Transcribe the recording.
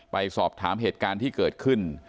ไปสอบถามเหตุการณ์ที่เกิดขึ้น